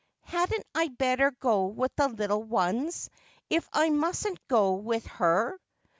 ' Hadn't I better go with the little ones, if I mustn't go with her?'